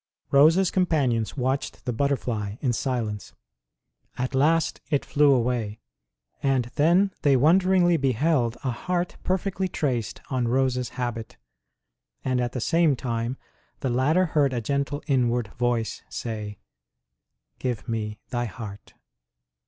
Rose s companions watched the butterfly in silence. At last it flew away, and then they wonderingly beheld a heart perfectly traced on Rose s habit ; and at the same time the latter heard a gentle inward Voice say : "Give Me thy heart!"